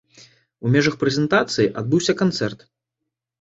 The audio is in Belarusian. У межах прэзентацыі адбыўся канцэрт.